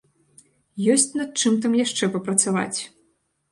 Ёсць, над чым там яшчэ папрацаваць.